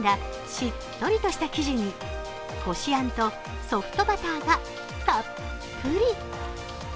しっとりとした生地にこしあんとソフトバターがたっぷり。